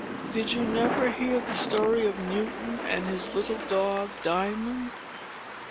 Did you never hear the story of Newton and his little dog Diamond?